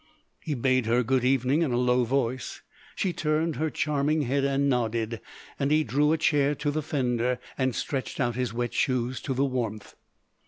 He bade her good evening in a low voice; she turned her charming head and nodded, and he drew a chair to the fender and stretched out his wet shoes to the warmth.